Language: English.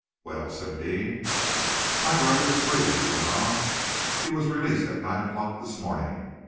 "Well?" said Deane. "My brother is free," she went on. "He was released at nine o'clock this morning.